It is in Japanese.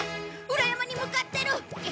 裏山に向かってる！